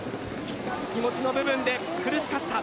気持ちの部分で苦しかった。